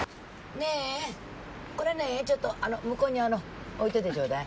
ねぇこれねぇちょっとあの向こうにあの置いといてちょうだい。